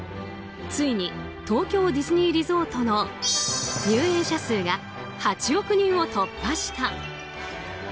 ついに東京ディズニーリゾートの入園者数が８億人を突破した。